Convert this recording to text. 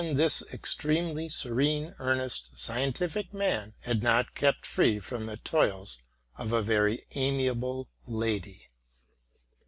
2TT this externally severe, earnest, scientific man had not kept free from the toils of a very amiable lady.